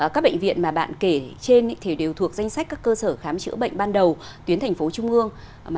các bệnh viện mà bạn kể trên thì đều thuộc danh sách các cơ sở khám chữa bệnh ban đầu tuyến thành phố trung ương